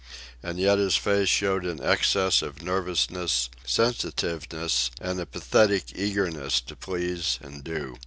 And yet his face showed an excess of nervousness, sensitiveness, and a pathetic eagerness to please and do.